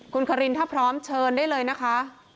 คุณคารินถ้าพร้อมเชิญได้เลยนะคะ